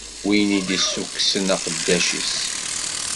Win i d-issukksen aqeddac-is.